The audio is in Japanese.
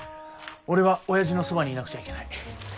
俺はおやじのそばにいなくちゃいけない。